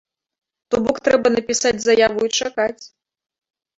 То бок, трэба напісаць заяву і чакаць.